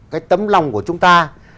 cái tấm lòng của chúng ta